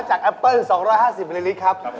แอปเปิ้ล๒๕๐มิลลิลิตรครับ